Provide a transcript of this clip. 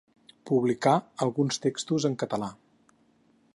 Publicà alguns textos en català.